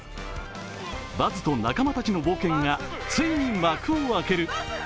バズと仲間たちの冒険がついに幕を開ける。